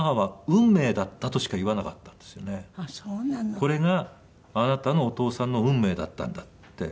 これがあなたのお父さんの運命だったんだって。